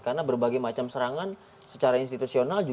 dalam serangan secara institusional